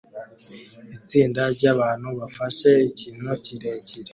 Itsinda ryabantu bafashe ikintu kirekire